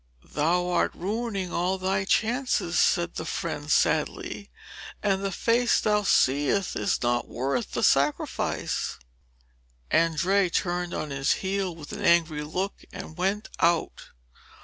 'Thou art ruining all thy chances,' said the friend sadly, 'and the face thou seest is not worth the sacrifice.' Andrea turned on his heel with an angry look and went out.